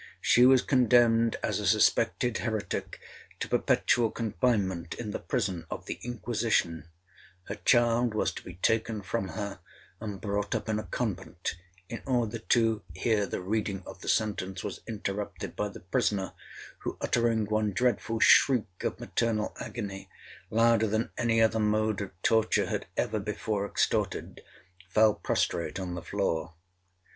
She was condemned, as a suspected heretic, to perpetual confinement in the prison of the Inquisition—her child was to be taken from her, and brought up in a convent, in order to— 'Here the reading of the sentence was interrupted by the prisoner, who, uttering one dreadful shriek of maternal agony, louder than any other mode of torture had ever before extorted, fell prostrate on the floor.